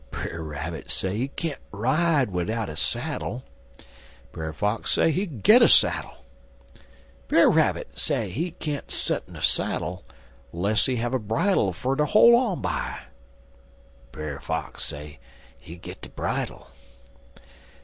Brer Rabbit say he can't ride widout a saddle. Brer Fox say he git de saddle. Brer Rabbit say he can't set in saddle less he have bridle fer ter hol' by. Brer Fox say he git de bridle.